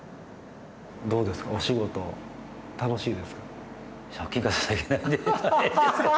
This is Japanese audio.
どうですかお仕事楽しいですか？